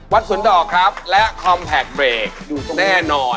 วัดศุนดอกครับและคอมแพคเบรคแน่นอน